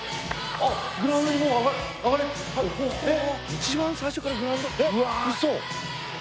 一番最初からグラウンドえっ？